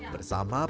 banyak teman juga